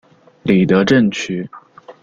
里德镇区。